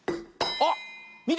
あっ！